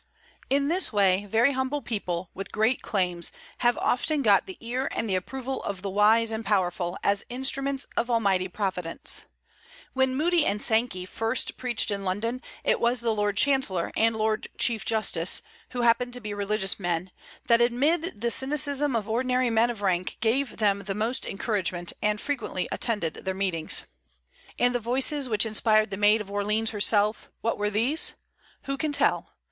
In this way very humble people, with great claims, have often got the ear and the approval of the wise and powerful, as instruments of Almighty Providence. When Moody and Sankey first preached in London, it was the Lord Chancellor and Lord Chief Justice who happened to be religious men that, amid the cynicism of ordinary men of rank, gave them the most encouragement, and frequently attended their meetings. And the voices which inspired the Maid of Orleans herself, what were these? Who can tell?